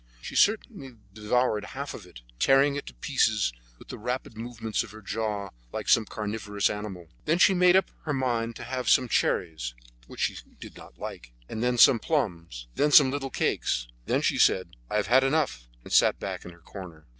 She certainly devoured half of it, tearing it to pieces with the rapid movements of her jaws like some carnivorous animal. Then she made up her mind to have some cherries, which she "did not like," and then some plums, then some little cakes. Then she said, "I have had enough," and sat back in her corner.